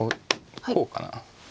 こうかな。